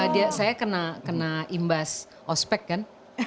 dia saya kena imbas ospek kan